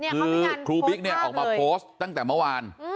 คือครูบิ๊กเนี่ยออกมาโพสต์ตั้งแต่เมื่อวาน